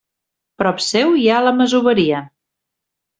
Prop seu hi ha la masoveria.